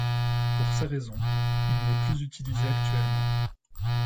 Pour ces raisons il n’est plus utilisé actuellement.